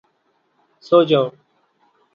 سو جاؤ!